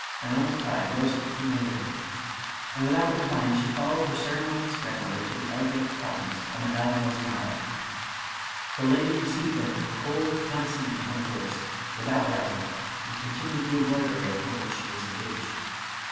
Manon's pride rose at the familiarity, and without replying she followed her ceremonious grandmother to the elegant apartments of Madame Boismorel. The lady received them in a cold condescending tone of voice, without rising, and continued the embroidery upon which she was engaged.